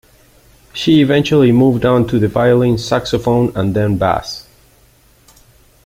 She eventually moved on to the violin, saxophone and then bass.